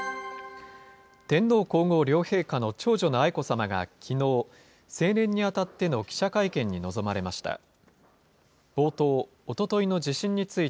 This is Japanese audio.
天皇皇后両陛下の長女の愛子さまがきのう、成年にあたっての記者会見に臨まれました。